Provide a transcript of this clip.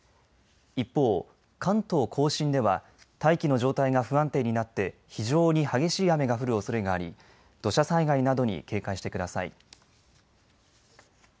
一方、関東甲信では大気の状態が不安定になって非常に激しい雨が降るおそれがあり土砂災害などに警戒してください。